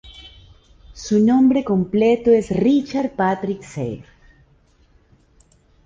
Su nombre completo es Richard Patrick Sayre.